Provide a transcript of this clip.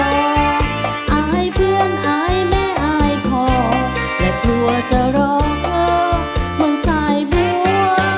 อายเพื่อนอายแม่อายคอและกลัวจะรอเธอคนสายบัว